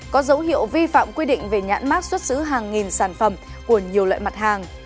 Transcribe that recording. có dấu hiệu vi phạm quy định về nhãn mác xuất xứ hàng nghìn sản phẩm của nhiều loại mặt hàng